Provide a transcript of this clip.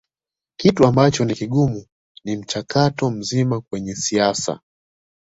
Kitu ambacho ni kigumu ni mchakato mzima kwenye siasa